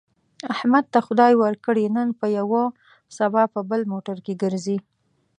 احمد ته خدای ورکړې، نن په یوه سبا په بل موټر کې ګرځي.